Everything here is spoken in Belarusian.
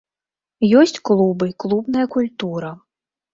Ёсць клубы, клубная культура.